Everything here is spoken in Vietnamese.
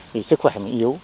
vì sức khỏe mình yếu